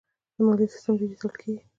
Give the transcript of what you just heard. د مالیې سیستم ډیجیټل کیږي